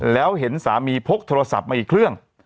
แล้วเห็นสามีพกโทรศัพท์มาอีกเครื่อง